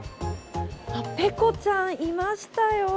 ペコちゃんいましたよ。